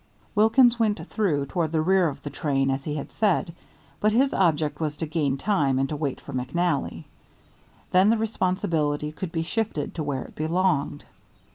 Wilkins went through toward the rear of the train, as he had said, but his object was to gain time and to wait for McNally. Then the responsibility could be shifted to where it belonged.